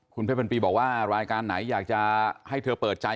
คุณเพชรพันปีบอกว่ารายการไหนอยากจะให้เธอเปิดใจ